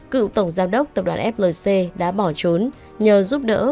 cựu tổng giám đốc tập đoàn flc đã bỏ trốn nhờ giúp đỡ